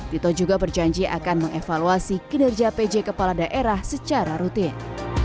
tito juga berjanji akan mengevaluasi kinerja pj kepala daerah secara rutin